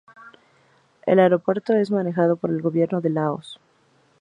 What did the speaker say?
El aeropuerto es manejado por el gobierno de Laos.